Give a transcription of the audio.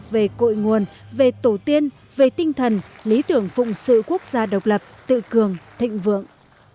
về cội nguồn về tổ tiên về tinh thần lý tưởng phụng sự quốc gia độc lập tự cường thịnh vượng